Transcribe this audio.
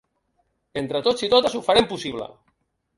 Entre tots i totes ho farem possible!